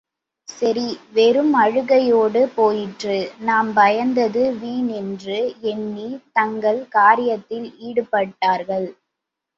சரி, வெறும் அழுகையோடு போயிற்று நாம் பயந்தது வீண் என்று எண்ணித் தங்கள் காரியத்தில் ஈடுபட்டார்கள்.